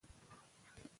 ایا سوله په ټولنه کې شته؟